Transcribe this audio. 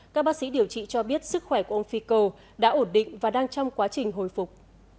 các bác sĩ điều trị cho biết sức khỏe của ông fico đã ổn định và đang trong quá trình hồi phục